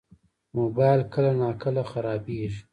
موبایل کله ناکله خرابېږي.